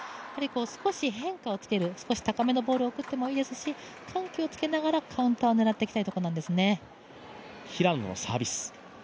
少し変化をつける、少し高めのボールを送ってもいいですし緩急をつけながらカウンターを狙っていきたいところなんですね。